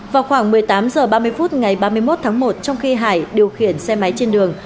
vào khoảng một mươi tám h ba mươi phút ngày ba mươi một tháng một trong khi hải điều khiển xe máy trên đường